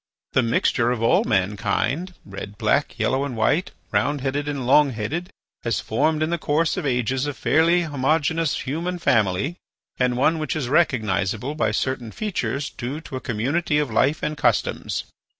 This mixture of all mankind, red, black, yellow, and white, round headed and long headed, as formed in the course of ages a fairly homogeneous human family, and one which is recognisable by certain features due to a community of life and customs.